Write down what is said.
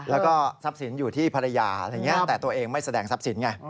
แล้วก็ทรัพย์สินอยู่ที่ภรรยาแต่ตัวเองไม่แสดงทรัพย์สินไง